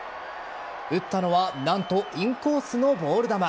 打ったのは何とインコースのボール球。